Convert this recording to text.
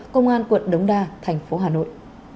công an quận đống đa thành phố hà nội